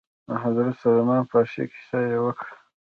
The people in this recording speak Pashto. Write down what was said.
د حضرت سلمان فارس کيسه يې وکړه.